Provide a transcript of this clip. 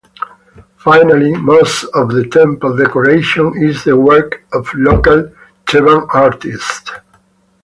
Finally, most of the temple decoration is the work of local Theban artists.